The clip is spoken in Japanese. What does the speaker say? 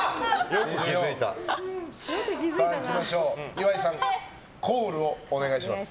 岩井さんコールをお願いします。